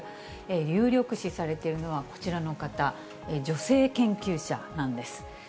有力視されているのはこちらの方、女性研究者なんです。